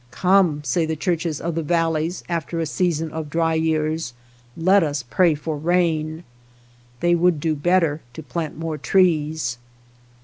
" Come," say the churches of the valleys, after a season of dry years, " let us pray for rain." They would do better to plant more trees.